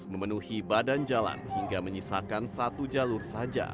memenuhi badan jalan hingga menyisakan satu jalur saja